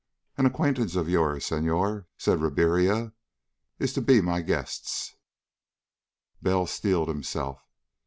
"An acquaintance of yours, Senhor," said Ribiera, "is to be my guests." Bell steeled himself.